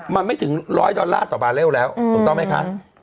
มันไม่ถึงร้อยดอลลาร์ต่อไปเร็วถูกต้องไหมค่ะ